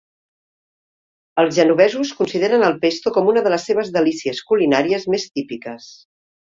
Els genovesos consideren el pesto com una de les seves delícies culinàries més típiques.